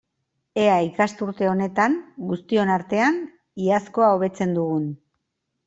Ea ikasturte honetan, guztion artean, iazkoa hobetzen dugun!